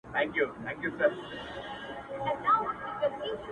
o داسي چي حیران ـ دریان د جنگ زامن وي ناست ـ